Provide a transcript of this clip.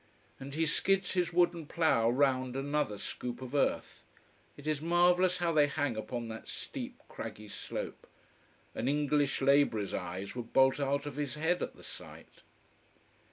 And he skids his wooden plough round another scoop of earth. It is marvellous how they hang upon that steep, craggy slope. An English labourer's eyes would bolt out of his head at the sight.